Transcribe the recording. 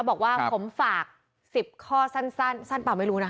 บอกว่าผมฝาก๑๐ข้อสั้นเปล่าไม่รู้นะ